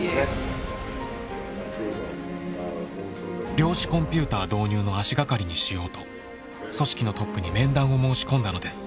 量子コンピューター導入の足がかりにしようと組織のトップに面談を申し込んだのです。